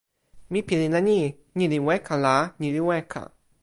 mi pilin e ni: ni li weka la ni li weka.